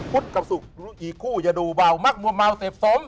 พุทค์กับสุคตรงนี้คู่จะนมเบามากเยอะมัวเกาะเสพสม